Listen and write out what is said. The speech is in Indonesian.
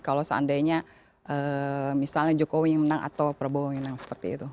kalau seandainya misalnya jokowi menang atau prabowo yang menang seperti itu